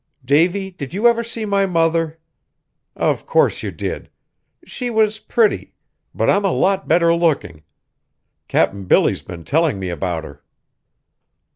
Davy, did you ever see my mother? Of course you did! She was pretty, but I'm a lot better looking. Cap'n Billy's been telling me about her."